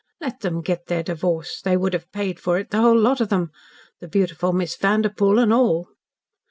Let them get their divorce, they would have paid for it, the whole lot of them, the beautiful Miss Vanderpoel and all.